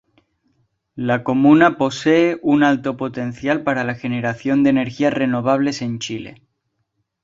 La comuna posee un alto potencial para la generación de energías renovables en Chile.